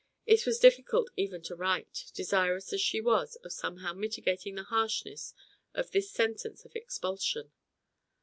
It was difficult even to write, desirous as she was of somehow mitigating the harshness of this sentence of expulsion.